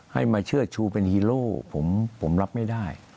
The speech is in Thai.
ให้มาเชื่อชูเป็นฮีโร่ผมรับไม่ได้